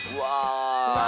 うわ！